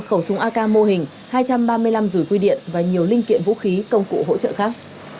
một khẩu súng ak mô hình hai trăm ba mươi năm rủi cui điện và nhiều linh kiện vũ khí công cụ hỗ trợ khác